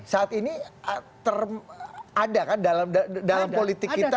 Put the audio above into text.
saat ini ada kan dalam politik kita